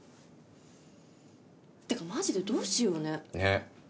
ってかマジでどうしようね？